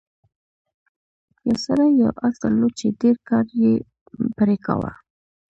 یو سړي یو اس درلود چې ډیر کار یې پرې کاوه.